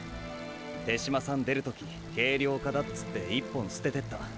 手嶋さん出る時軽量化だっつって１本捨ててった。